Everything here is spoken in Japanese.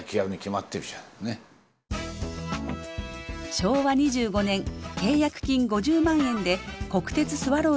昭和２５年契約金５０万円で国鉄スワローズに途中入団。